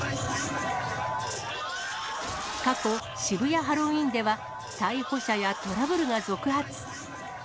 過去、渋谷ハロウィーンでは逮捕者やトラブルが続発。